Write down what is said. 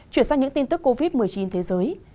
chuyển sang những tin tức covid một mươi chín thế giới